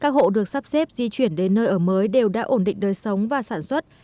các hộ được sắp xếp di chuyển đến nơi ở mới đều đã ổn định đời sống và sản xuất